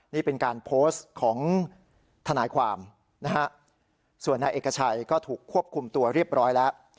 นี่เป็นการโพสต์ของทนายความนะฮะส่วนนายเอกชัยก็ถูกควบคุมตัวเรียบร้อยแล้ว